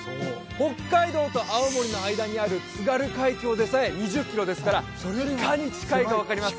北海道と青森の間にある津軽海峡でさえ２０キロですからいかに近いか分かります